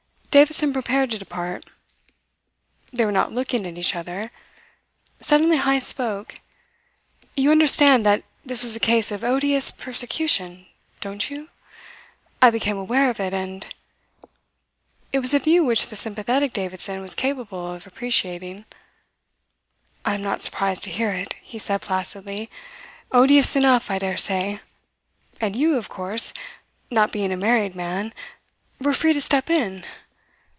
Davidson prepared to depart. They were not looking at each other. Suddenly Heyst spoke: "You understand that this was a case of odious persecution, don't you? I became aware of it and " It was a view which the sympathetic Davidson was capable of appreciating. "I am not surprised to hear it," he said placidly. "Odious enough, I dare say. And you, of course not being a married man were free to step in.